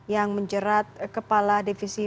yang menjerat kepala divisi